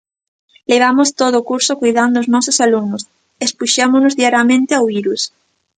Levamos todo o curso coidando os nosos alumnos, expuxémonos diariamente ao virus.